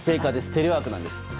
テレワークです。